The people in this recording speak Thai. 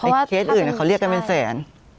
เพราะว่าเคสอื่นเขาเรียกกันเป็นแสน